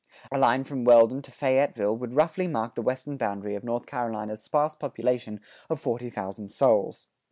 A line from Weldon to Fayetteville would roughly mark the western boundary of North Carolina's sparse population of forty thousand souls.